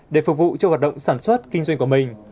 để phục vụ cho hoạt động sản xuất kinh doanh của mình